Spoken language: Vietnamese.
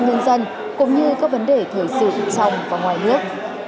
báo chí công an nhân dân cũng như các vấn đề thời sự trong và ngoài nước